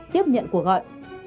tiếp nhận cuộc gọi